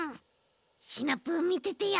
シナプーみててよ。